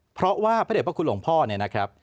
เพราะว่าพระเด็จพระคุณหลวงพ่อเนี่ยนะครับ